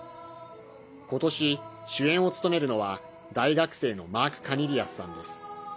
今年、主演を務めるのは大学生のマーク・カニリヤスさんです。